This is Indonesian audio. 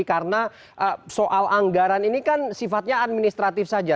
karena soal anggaran ini kan sifatnya administratif saja